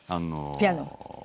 ピアノも？